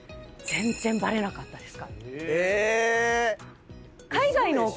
全然なかったです。